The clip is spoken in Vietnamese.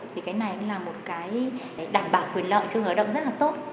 thì cái này cũng là một cái đảm bảo quyền lợi trong thời hợp đồng rất là tốt